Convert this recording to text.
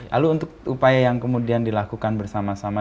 lalu untuk upaya yang kemudian dilakukan bersama sama